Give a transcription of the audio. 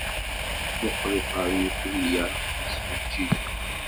Mmuqqlet ɣer yitri-a yettfeǧǧiǧen.